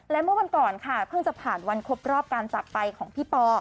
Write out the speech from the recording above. และเมื่อวันก่อนค่ะเพิ่งจะผ่านวันครบรอบการจากไปของพี่ปอ